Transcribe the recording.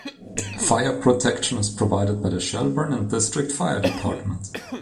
Fire protection is provided by the Shelburne and District Fire Department.